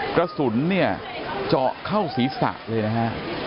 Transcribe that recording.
กระสุนเนี่ยเจาะเข้าศีรษะเลยนะฮะ